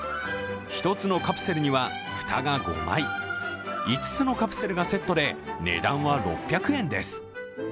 １つのカプセルには蓋が５枚５つのカプセルがセットで値段は６００円です。